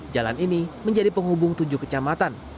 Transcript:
jalan ini menjadi penghubung tujuh kecamatan